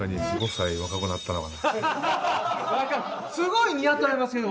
すごい似合ってはりますけど。